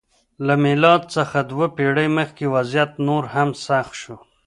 له میلاد څخه دوه پېړۍ مخکې وضعیت نور هم سخت شو.